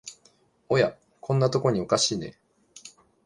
おや、こんなとこにおかしいね